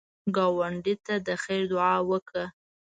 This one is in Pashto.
ګاونډي ته د خیر دعا وکړه